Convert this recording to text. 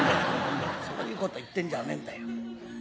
そういうこと言ってんじゃねえんだよ。